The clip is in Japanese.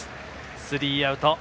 スリーアウト。